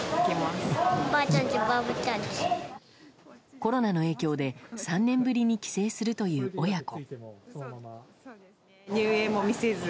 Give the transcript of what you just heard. コロナの影響で３年ぶりに帰省するという親子。